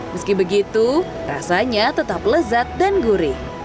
meski begitu rasanya tetap lezat dan gurih